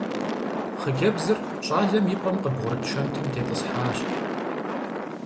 Хъыджэбзыр щӀалэм и пӀэм къыбгъурыт шэнтым тетӀысхьащ.